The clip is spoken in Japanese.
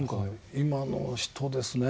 今の人ですね。